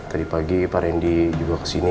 tadi pagi pak randy juga kesini